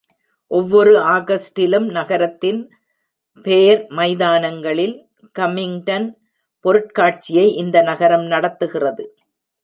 ஒவ்வொரு ஆகஸ்ட்டிலும், நகரத்தின் ஃபேர் மைதானங்களில், கம்மிங்டன் பொருட்காட்சியை இந்த நகரம் நடத்துகிறது.